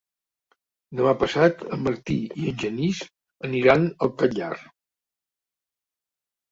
Demà passat en Martí i en Genís aniran al Catllar.